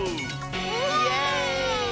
イエーイ！